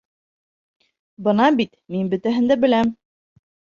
Бына бит... мин бөтәһен дә беләм.